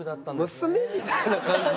娘みたいな感じで。